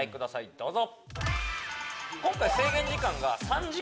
どうぞ。